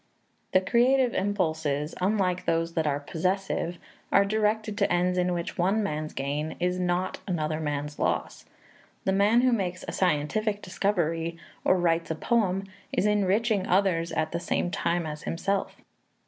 The creative impulses, unlike those that are possessive, are directed to ends in which one man's gain is not another man's loss. The man who makes a scientific discovery or writes a poem is enriching others at the same time as himself.